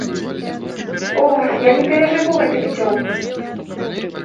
О, я не перажыву гэтых дзён!